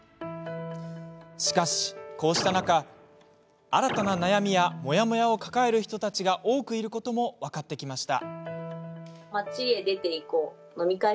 しかし、こうした中新たな悩みやモヤモヤを抱える人たちが多くいることも分かってきました。